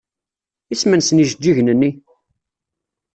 Isem-nsen yijeǧǧigen-nni?